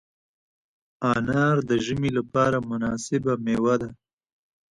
انار د ژمي لپاره مناسبه مېوه ده.